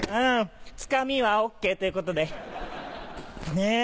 つかみはＯＫということで。